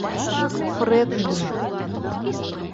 Фред мин.